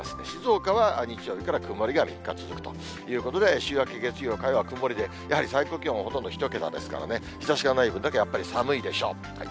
静岡は日曜日から曇りが３日続くということで、週明け月曜、火曜は曇りで、やはり最高気温はほとんど１桁ですからね、日ざしない分だけやっぱり寒いでしょう。